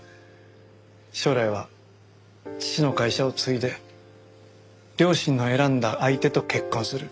将来は父の会社を継いで両親の選んだ相手と結婚する。